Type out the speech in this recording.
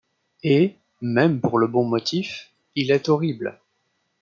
Et, même pour le bon motif, il est horrible ;